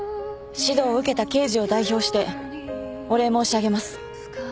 指導を受けた刑事を代表してお礼申し上げます。